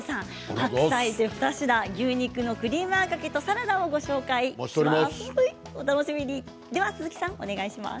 白菜で２品、牛肉のクリームあんかけとサラダをご紹介します。